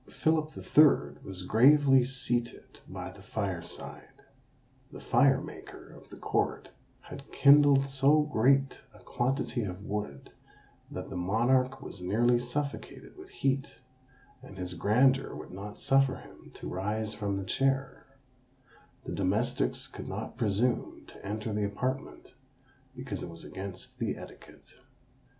Philip the Third was gravely seated by the fire side: the fire maker of the court had kindled so great a quantity of wood, that the monarch was nearly suffocated with heat, and his grandeur would not suffer him to rise from the chair; the domestics could not presume to enter the apartment, because it was against the etiquette.